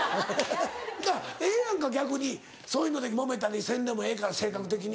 ええやんか逆にそういうのでもめたりせんでもええから性格的に。